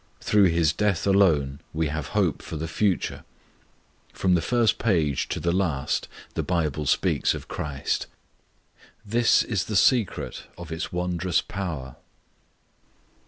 Through His death alone we have hope for the future. From the first page to the last the Bible speaks of Christ. This is the secret of its wondrous power.